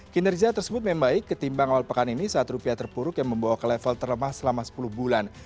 kinerja tersebut membaik ketimbang awal pekan ini saat rupiah terpuruk yang membawa ke level terlemah selama sepuluh bulan